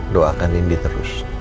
doakan nindi terus